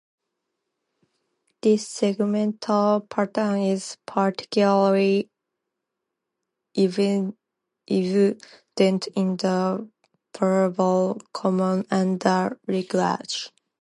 This segmental pattern is particularly evident in the vertebral column and the ribcage.